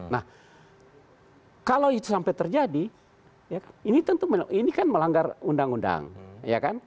nah kalau itu sampai terjadi ini tentu ini kan melanggar undang undang ya kan